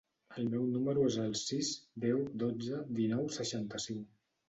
El meu número es el sis, deu, dotze, dinou, seixanta-cinc.